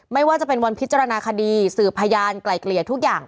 ไม่ว่าจะเป็นวันพิจารณาคดีสืบพยานไกลเกลี่ยทุกอย่าง